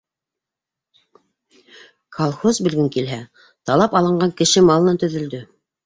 Колхоз, белгең килһә, талап алынған кеше малынан төҙөлдө.